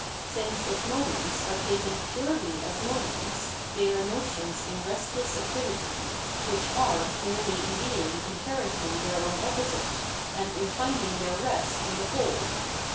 Since its moments are taken ■purely as moments, they are notions in restless activity, which are merely in being inherently their own opposite, and in finding their rest in the whole.